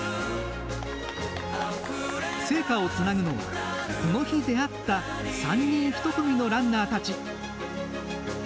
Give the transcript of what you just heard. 聖火をつなぐのは、この日出会った３人１組のランナーたち。